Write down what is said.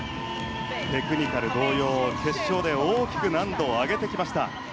テクニカル同様に決勝で大きく難度を上げてきました。